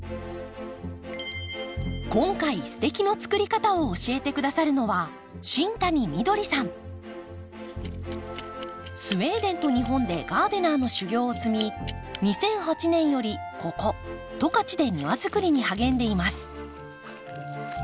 今回「すてき！の作り方」を教えてくださるのはスウェーデンと日本でガーデナーの修業を積み２００８年よりここ十勝で庭づくりに励んでいます。